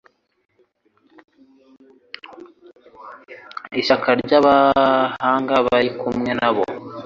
Ishyaka ryabahanga bari kumwe nabo.